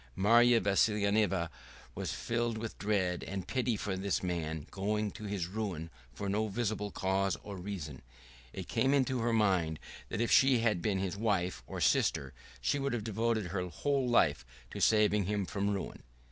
Marya Vassilyevna was filled with dread and pity for this man going to his ruin for no visible cause or reason, and it came into her mind that if she had been his wife or sister she would have devoted her whole life to saving him from ruin.